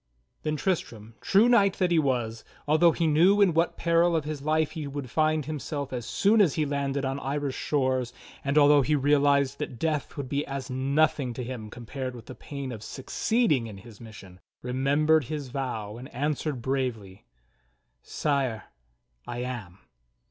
Then Tristram, true knight that he was, although he knew in what peril of his life he would find himself as soon as he landed on Irish shores, and although he realized that death would be as noth ing to him compared with the pain of succeeding in his mission, remembered his vow, and answered bravely : "Sire, I am."